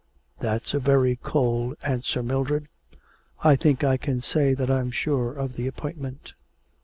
'That's a very cold answer, Mildred. I think I can say that I'm sure of the appointment.'